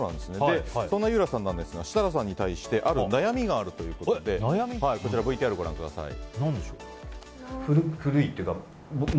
そんな井浦さんなんですが設楽さんに対してある悩みがあるということでＶＴＲをご覧ください。